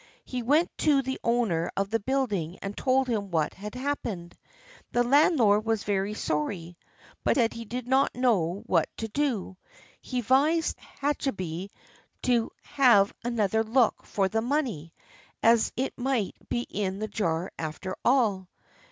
He went to the owner of the building and told him what had happened. The landlord was very sorry, but said he did not know what to do. He advised Hachibei to have another look for the money, as it might be in the jar after all.